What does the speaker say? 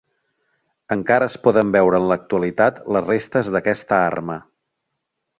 Encara es poden veure en l'actualitat les restes d'aquesta arma.